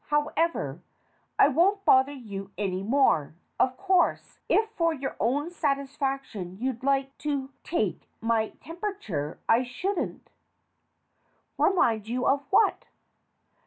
However, I won't bother you any more. Of course, if for your own satisfaction you said you'd like to take my temperature, I shouldn't Remind you of what?